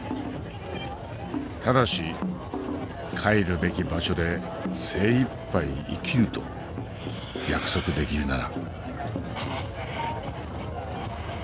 ただし帰るべき場所で精いっぱい生きると約束できるなら」。